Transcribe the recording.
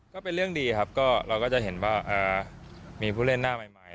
ก็เป็นเรื่องดีครับก็เราก็จะเห็นว่ามีผู้เล่นหน้าใหม่